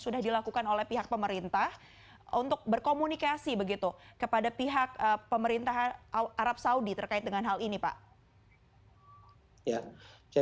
sudah dilakukan oleh pihak pemerintah untuk berkomunikasi begitu kepada pihak pemerintah arab saudi terkait dengan hal ini pak